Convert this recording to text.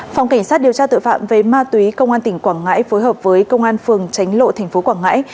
phòng cảnh sát điều tra tội phạm về ma túy công an tỉnh quảng ngãi phối hợp với công an phường tránh lộ tp quảng ngãi